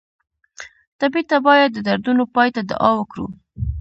ټپي ته باید د دردونو پای ته دعا وکړو.